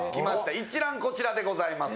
一覧こちらでございます。